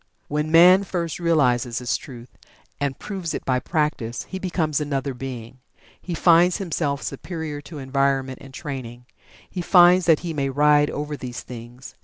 When man first realizes this truth, and proves it by practice, he becomes another being. He finds himself superior to environment, and training he finds that he may ride over these things.